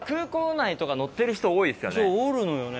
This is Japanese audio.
そうおるのよね。